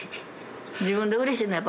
自分でうれしいのは。